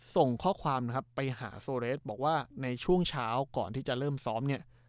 ส่งข้อความไปหาโซเลสบอกว่าในช่วงเช้าก่อนที่จะเริ่มซ้อม